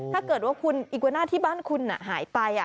ถ้าเกิดว่าคุณอิโกน่าที่บ้านคุณหายไป